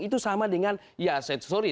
itu sama dengan ya set sorry